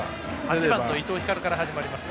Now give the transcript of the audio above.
１番、伊藤光から始まります。